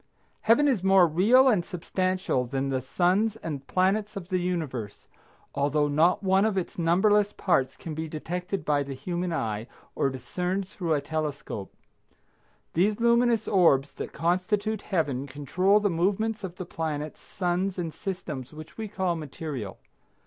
Heaven is more real and substantial than the suns and planets of the universe, although not one of its numberless parts can be detected by the human eye, or discerned through a telescope. These luminous orbs that constitute Heaven control the movements of the planets, suns and systems which we call material.